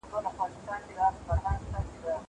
کېدای سي کښېناستل اوږدې وي!!